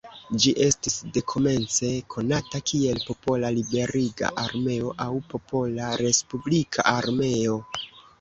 Ĝi estis dekomence konata kiel "Popola Liberiga Armeo" aŭ "Popola Respublika Armeo".